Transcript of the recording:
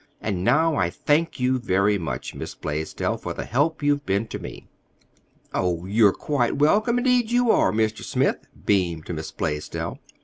"And now I thank you very much, Miss Blaisdell, for the help you've been to me." "Oh, you're quite welcome, indeed you are, Mr. Smith," beamed Miss Blaisdell.